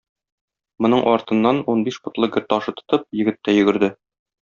Моның артыннан, унбиш потлы гер ташы тотып, егет тә йөгерде.